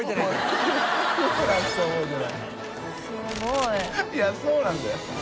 いやそうなんだよ